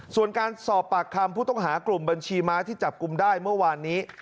ส่วนการสอบปากคำผู้ต้องหากลุ่มบัญชีม้าที่จับกลุ่มได้เมื่อวานนี้